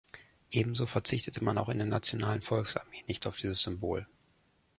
Ebenso verzichtete man auch in der Nationalen Volksarmee nicht auf dieses Symbol.